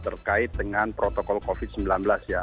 terkait dengan protokol covid sembilan belas ya